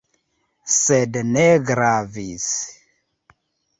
Sed ne gravis!